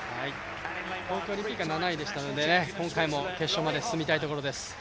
東京オリンピックは７位でしたので、今回も決勝まで進みたいところです。